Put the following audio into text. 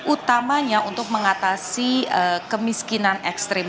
utamanya untuk mengatasi kemiskinan ekstrim